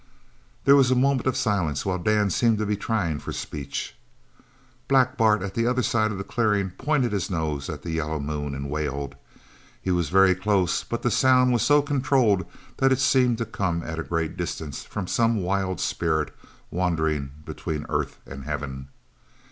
There was a moment of silence while Dan seemed to be trying for speech. Black Bart, at the other side of the clearing, pointed his nose at the yellow moon and wailed. He was very close, but the sound was so controlled that it seemed to come at a great distance from some wild spirit wandering between earth and heaven.